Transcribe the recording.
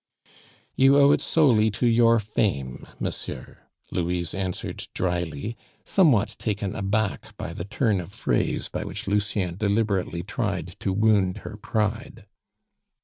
"You owe it solely to your fame, monsieur," Louise answered drily, somewhat taken aback by the turn of a phrase by which Lucien deliberately tried to wound her pride.